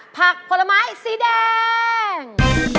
ผลไม้สีแดง